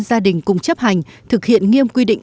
gia đình cùng chấp hành thực hiện nghiêm quy định